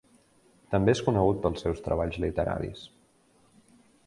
També és conegut pels seus treballs literaris.